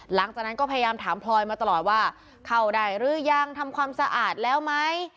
หลังจากนั้นก็พยายามถามพลอยมาตลอดว่าเข้าได้หรือยังทำความสะอาดแล้วไหม